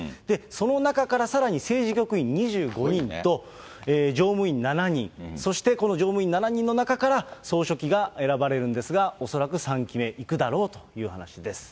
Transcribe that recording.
その中からさらに政治局員２５人と、常務委員７人、そしてこの常務委員７人の中から総書記が選ばれるんですが、恐らく３期目いくだろうということです。